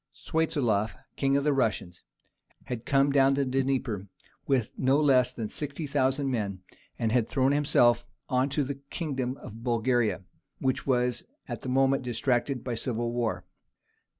Swiatoslaf, king of the Russians, had come down the Dnieper with no less than 60,000 men, and had thrown himself on to the kingdom of Bulgaria, which was at the moment distracted by civil war.